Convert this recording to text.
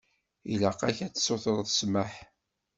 Ilaq-ak ad tsutreḍ ssmaḥ.